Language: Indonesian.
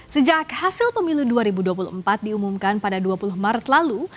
sejak hasil pemilu dua ribu dua puluh empat diumumkan pada dua puluh maret lalu